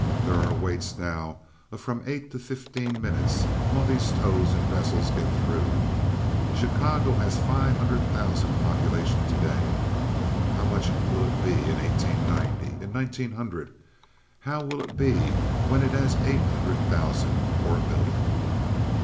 There are waits now of from eight to fifteen minutes while these tows and vessels get through. Chicago has five hundred thousand population to day. How much will it have in 1890? In 1900? How will it be when it has eight hundred thousand or a million?"